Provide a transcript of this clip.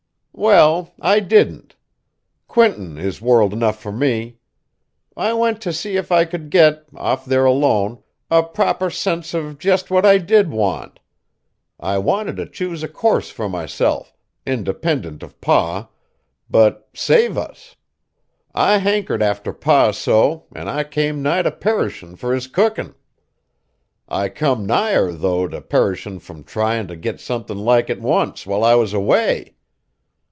"Well, I didn't. Quinton is world 'nough fur me. I went t' see if I could git, off there alone, a proper sense of jest what I did want. I wanted t' choose a course fur myself, independent of Pa, but save us! I hankered arter Pa so, an' I came nigh t' perishin' fur his cookin'. I come nigher, though, t' perishin' frum tryin' t' get somethin' like it once, while I was away!"